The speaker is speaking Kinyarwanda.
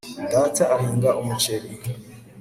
data ahinga umuceri